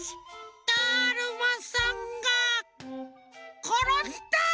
だるまさんがころんだ！